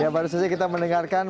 ya baru saja kita mendengarkan